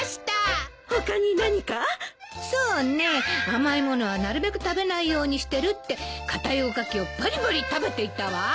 甘い物はなるべく食べないようにしてるって硬いおかきをバリバリ食べていたわ。